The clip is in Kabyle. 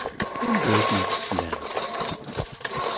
Anda ay ten-telsamt?